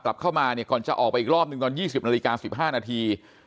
กลับเข้ามาเนี่ยก่อนจะออกไปอีกรอบหนึ่งตอน๒๐นาฬิกา๑๕นาที